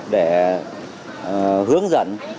để hướng dẫn